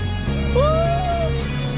わあ！